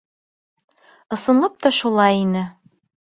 Ысынлап та шулай ине.